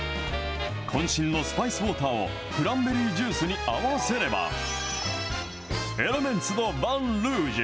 こん身のスパイスウォーターをクランベリージュースに合わせれば、エレメンツ・ド・ヴァン・ルージュ。